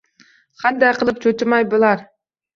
Qanday qilib cho’chimay bo’lar.